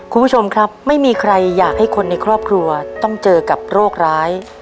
คุณผู้ชมครับไม่มีใครอยากให้คนในครอบครัวต้องเจอกับโรคร้าย